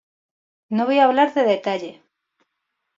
No voy a hablar de detalles.